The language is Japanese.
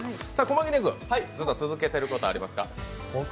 駒木根君、ずっと続けていることありますか？